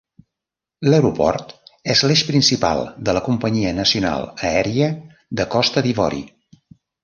L'aeroport és l'eix principal de la companyia nacional aèria de Costa d'Ivori.